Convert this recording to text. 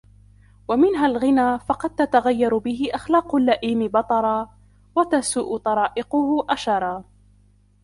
وَمِنْهَا الْغِنَى فَقَدْ تَتَغَيَّرُ بِهِ أَخْلَاقُ اللَّئِيمِ بَطَرًا ، وَتَسُوءُ طَرَائِقُهُ أَشَرًا